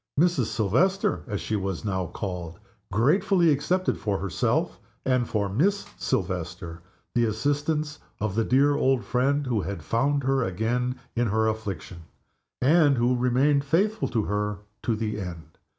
Mrs. Silvester (as she was now called) gratefully accepted for herself, and for Miss Silvester, the assistance of the dear old friend who had found her again in her affliction, and who remained faithful to her to the end.